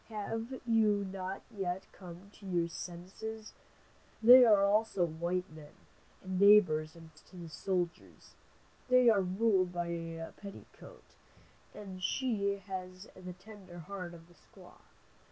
Have you not yet come to your senses? They are also white men, and neighbors and friends to the soldiers. They are ruled by a petticoat, and she has the tender heart of a squaw.